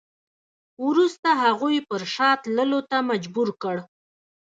وروسته هغوی پر شا تللو ته مجبور کړ.